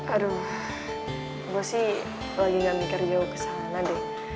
aduh gue sih lagi gak mikir jauh ke sana nanti